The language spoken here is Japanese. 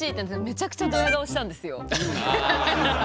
めちゃくちゃドヤ顔したんですよ。